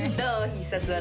必殺技。